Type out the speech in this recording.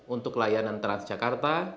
untuk layanan transjakarta